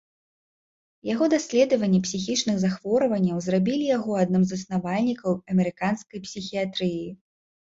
Яго даследаванне псіхічных захворванняў зрабілі яго адным з заснавальнікаў амерыканскай псіхіятрыі.